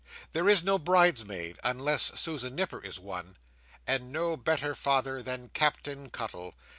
There is no bridesmaid, unless Susan Nipper is one; and no better father than Captain Cuttle.